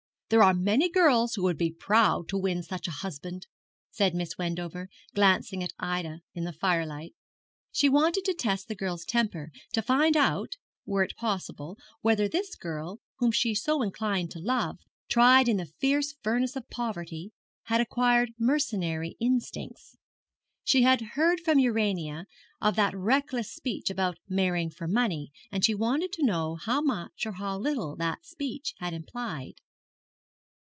There are many girls who would be proud to win such a husband,' said Miss Wendover, glancing at Ida in the firelight. She wanted to test the girl's temper to find out, were it possible, whether this girl, whom she so inclined to love, tried in the fierce furnace of poverty, had acquired mercenary instincts. She had heard from Urania of that reckless speech about marrying for money, and she wanted to know how much or how little that speech had implied.